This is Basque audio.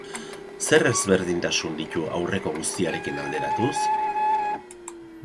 Zer ezberdintasun ditu aurreko guztiarekin alderatuz?